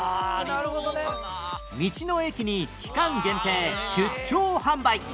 道の駅に期間限定出張販売